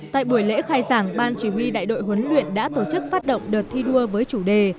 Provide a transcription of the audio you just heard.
tại buổi lễ khai giảng ban chỉ huy đại đội huấn luyện đã tổ chức phát động đợt thi đua với chủ đề